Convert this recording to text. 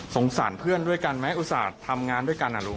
สารเพื่อนด้วยกันไหมอุตส่าห์ทำงานด้วยกันอ่ะลูก